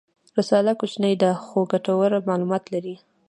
رساله کوچنۍ ده خو ګټور معلومات لري.